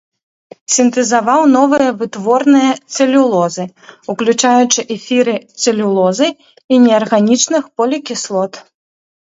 Сінтэзаваў новыя вытворныя цэлюлозы, уключаючы эфіры цэлюлозы і неарганічных полікіслот.